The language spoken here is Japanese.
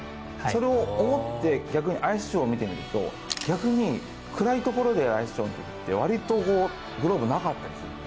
それを思って逆にアイスショーを見てみると逆に暗いところでアイスショーって割とグローブなかったりする。